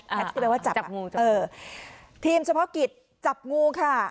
ที่แปลว่าจับจับงูเจอทีมเฉพาะกิจจับงูค่ะ